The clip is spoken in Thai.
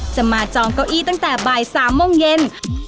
มาจองเก้าอี้ตั้งแต่บ่าย๓โมงเย็น